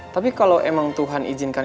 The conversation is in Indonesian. tapi kalau emang tuhan izinkan